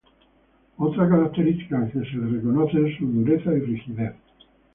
Otra característica que se les reconoce es su "dureza" y "rigidez".